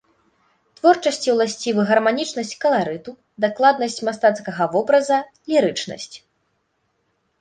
Творчасці ўласцівы гарманічнасць каларыту, дакладнасць мастацкага вобраза, лірычнасць.